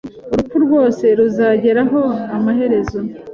Urupfu rwose ruzageraho, amaherezo…